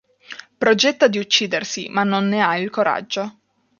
Progetta di uccidersi, ma non ne ha il coraggio.